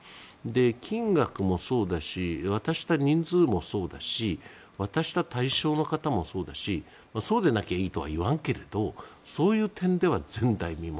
金額もそうだし渡した人数もそうだし渡した対象の方もそうだしそうでなきゃいいとは言わんけれどそういう点では、前代未聞。